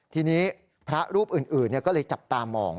ทีนี้พระรูปอื่นก็เลยจับตามอง